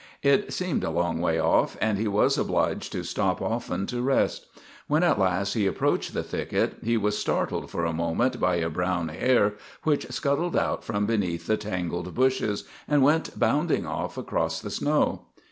It seemed a long way off, and he was obliged to stop often to rest. When at last he approached the thicket he was startled for a moment by a brown hare which scuttled out from beneath the tangled bushes and went bounding off across the snow.